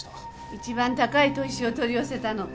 一番高い砥石を取り寄せたの。